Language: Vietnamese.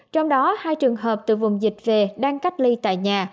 trong đó hai trường hợp từ vùng dịch về đang cách ly tại nhà